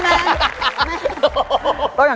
สวัสดีครับ